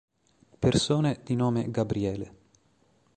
Persone di nome Gabriele